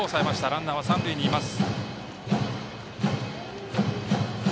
ランナーは三塁にいます。